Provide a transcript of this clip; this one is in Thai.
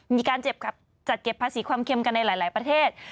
มีการจัดเก็บภาษีความเค็มกันในหลายประเทศ